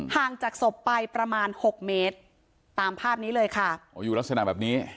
ห่างจากศพไปประมาณหกเมตรตามภาพนี้เลยค่ะโอ้อยู่ลักษณะแบบนี้